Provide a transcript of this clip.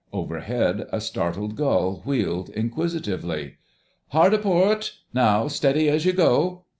Overhead a startled gull wheeled inquisitively. "Hard a port! Now, steady as you go!"